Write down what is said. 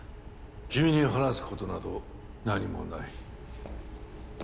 君に話す事など何もない。